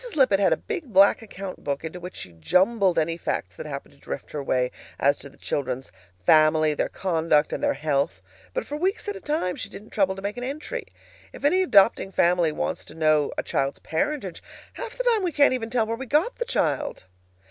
Lippett had a big black account book into which she jumbled any facts that happened to drift her way as to the children's family, their conduct, and their health. But for weeks at a time she didn't trouble to make an entry. If any adopting family wants to know a child's parentage, half the time we can't even tell where we got the child!